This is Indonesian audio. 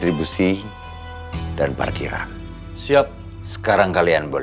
gak minum air berusia lima uses satu